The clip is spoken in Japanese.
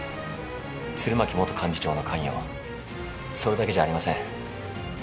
鶴巻元幹事長の関与それだけじゃありません。